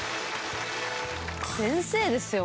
先生ですよ